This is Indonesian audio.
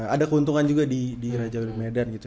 ada keuntungan juga di raja wali medan gitu